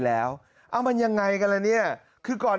แถลงการแนะนำพระมหาเทวีเจ้าแห่งเมืองทิพย์